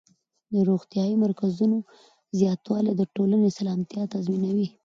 د روغتیايي مرکزونو زیاتوالی د ټولنې سلامتیا تضمینوي.